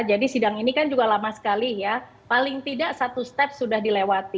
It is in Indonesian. jadi sidang ini kan juga lama sekali ya paling tidak satu step sudah dilewati